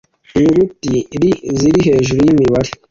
inyuguti rl ziri hejuru y imibare